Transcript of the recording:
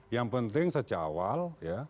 yang penting sejak awal ya